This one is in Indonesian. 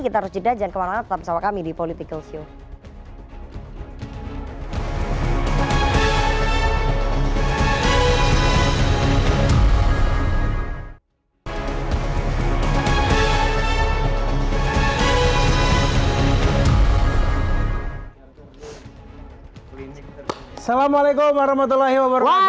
kita harus jeda jangan kemarahan tetap bersama kami di politikalshow